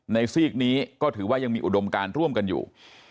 ซีกนี้ก็ถือว่ายังมีอุดมการร่วมกันอยู่